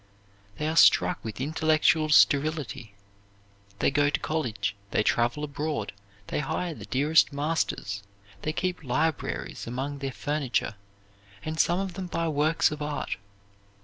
They are struck with intellectual sterility. They go to college; they travel abroad; they hire the dearest masters; they keep libraries among their furniture; and some of them buy works of art.